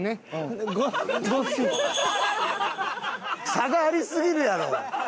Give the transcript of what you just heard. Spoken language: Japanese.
差がありすぎるやろ！